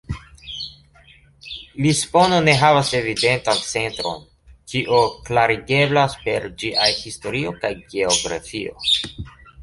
Lisbono ne havas evidentan centron, kio klarigeblas per ĝiaj historio kaj geografio.